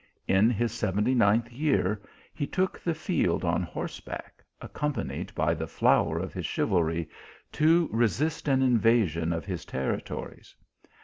In his seventy ninth year he took the field on horseback, accom panied by the flower of his chivalry, to resist an in vasion of his territories.